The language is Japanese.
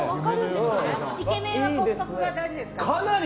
イケメンは骨格が大事ですから。